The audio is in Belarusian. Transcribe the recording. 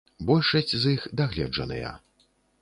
Большасць з іх дагледжаныя.